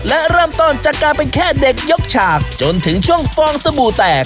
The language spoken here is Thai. และเริ่มต้นจากการเป็นแค่เด็กยกฉากจนถึงช่วงฟองสบู่แตก